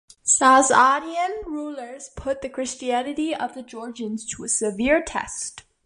Sasanian rulers put the Christianity of the Georgians to a severe test.